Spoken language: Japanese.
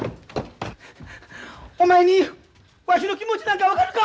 お前にわしの気持ちなんか分かるか！